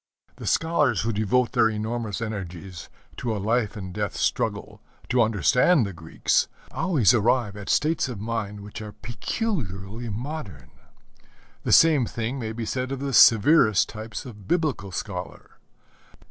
The scholars who devote their enormous energies to a life and death struggle to understand the Greeks always arrive at states of mind which are peculiarly modern. The same thing may be said of the severest types of Biblical scholar.